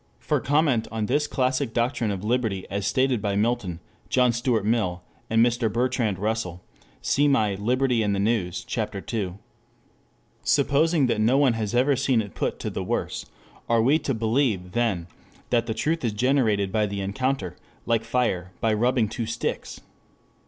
For comment on this classic doctrine of liberty as stated by Milton, John Stuart Mill, and Mr. Bertrand Russel, see my Liberty and the News, Ch. II.] Supposing that no one has ever seen it put to the worse, are we to believe then that the truth is generated by the encounter, like fire by rubbing two sticks?